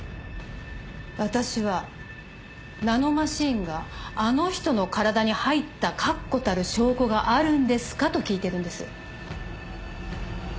私はナノマシンがあの人の体に入った確固たる証拠があるんですか？と聞いてるんです。